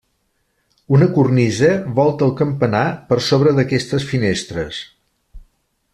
Una cornisa volta el campanar per sobre d'aquestes finestres.